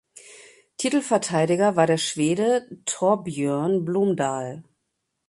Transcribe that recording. Titelverteidiger war der Schwede Torbjörn Blomdahl.